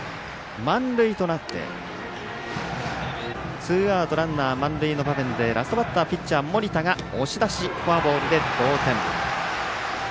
満塁となってツーアウト、ランナー満塁の場面でラストバッターピッチャー盛田が押し出しフォアボールで同点。